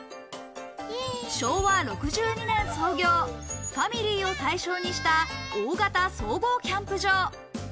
昭和６２年創業、ファミリーを対象にした大型総合キャンプ場。